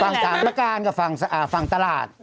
ฝั่งสามพระการกับฝั่งตลาด